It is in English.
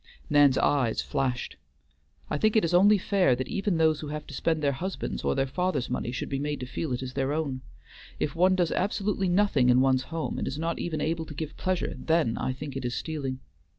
Nan's eyes flashed. "I think it is only fair that even those who have to spend their husband's or their father's money should be made to feel it is their own. If one does absolutely nothing in one's home, and is not even able to give pleasure, then I think it is stealing.